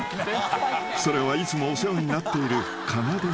［それはいつもお世話になっているかなで